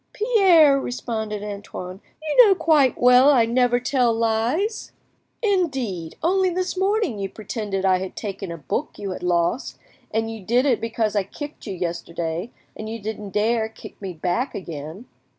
"Pierre," responded Antoine, "you know quite well I never tell lies." "Indeed!—only this morning you pretended I had taken a book you had lost, and you did it because I kicked you yesterday, and you didn't dare to kick me back again."